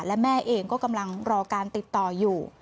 และแม่เองก็กำลังรอการติดต่ออยู่